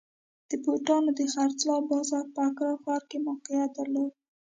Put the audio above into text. د بوټانو د خرڅلاو بازار په اکرا ښار کې موقعیت درلود.